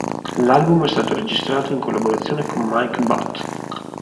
L'album è stato registrato in collaborazione con Mike Batt.